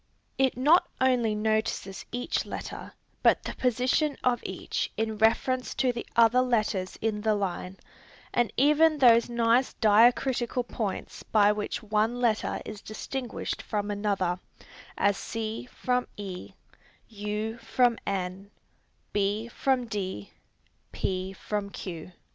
It not only notices each letter, but the position of each in reference to the other letters in the line, and even those nice diacritical points by which one letter is distinguished from another, as c from e, u from n, b from d, p from q.